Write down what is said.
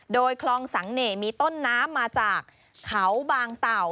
โดยคลองสังเน่มีต้นน้ำมาจากเขาบางเต่า